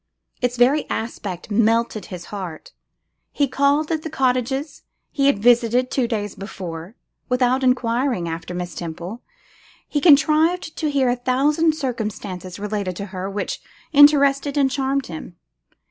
Its very aspect melted his heart. He called at the cottages he had visited two days before. Without enquiring after Miss Temple, he contrived to hear a thousand circumstances relating to her which interested and charmed him.